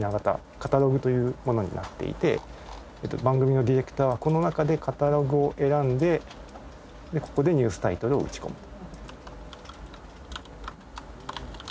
カタログというものになっていて番組のディレクターはこの中でカタログを選んででここでニュースタイトルを打ち込むと。